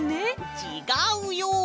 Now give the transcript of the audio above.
ちがうよ！